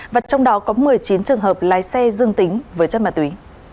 và trong đó có một mươi chín trường hợp lái xe dương tính với chất ma túy